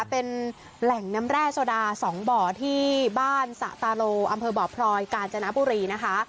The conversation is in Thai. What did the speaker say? เป็นแหล่งน้ำแร่โซดา๒บ่อที่บ้านสะตาโลอำเภอบ่อพลอยกาญจนบุรีนะคะ